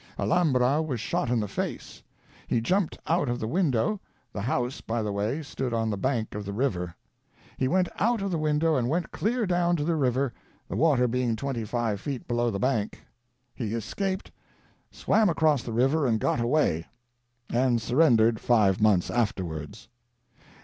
" Alambra was shot in the face. He jumped out of the window; the house, by the way, stood on the bank of the river. He went out of the window and went clear down into the river, the water being twenty five feet below the bank. He escaped, swam across the river and got away, and surrendered five months afterwards.